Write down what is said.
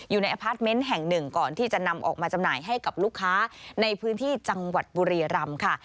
อพาร์ทเมนต์แห่งหนึ่งก่อนที่จะนำออกมาจำหน่ายให้กับลูกค้าในพื้นที่จังหวัดบุรีรำค่ะ